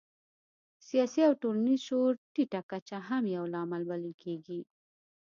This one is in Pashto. سیاسي او ټولنیز شعور ټیټه کچه هم یو لامل بلل کېږي.